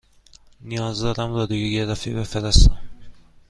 نیاز دارم رادیوگرافی بفرستم.